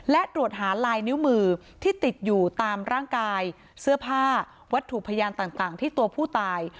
และตรวจหาลายนิ้วมือที่ติดอยู่ตามร่างกายเสื้อผ้าวัตถุพยานต่างที่ตัวผู้ตาย